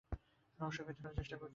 রহস্য ভেদ করার চেষ্টা করছি।